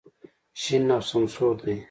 شین او سمسور دی.